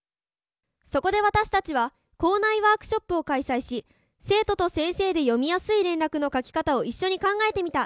そこで私たちは校内ワークショップを開催し生徒と先生で読みやすい連絡の書き方を一緒に考えてみた。